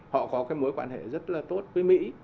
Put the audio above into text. họ có cái mối quan hệ rất là tốt với mỹ